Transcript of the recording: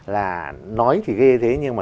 là nói thì ghê thế nhưng mà